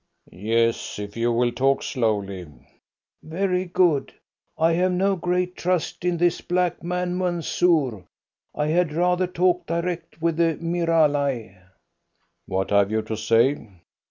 "Yes, if you will talk slowly." "Very good. I have no great trust in this black man, Mansoor. I had rather talk direct with the Miralai." "What have you to say?"